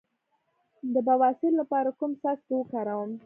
د بواسیر لپاره کوم څاڅکي وکاروم؟